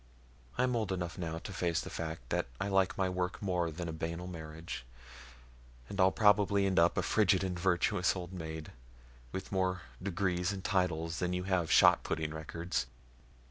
I'm old enough now to face the fact that I like my work more than a banal marriage, and I'll probably end up a frigid and virtuous old maid, with more degrees and titles than you have shot putting records."